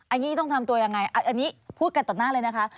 อันนี้ต้องทำตัวยังไงอันนี้พูดกันต่อหน้าเลยนะคะ